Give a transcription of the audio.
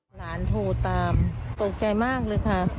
หลานโทรตามตกใจมากเลยค่ะ